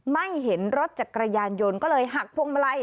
ไม่เห็นรถจักรยานยนต์ก็เลยหักพวงมาลัย